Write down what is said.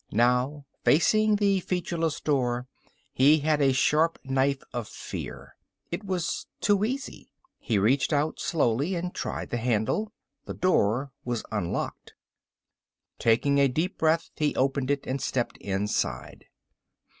Now, facing the featureless door, he had a sharp knife of fear. It was too easy. He reached out slowly and tried the handle. The door was unlocked. Taking a deep breath, he opened it and stepped inside.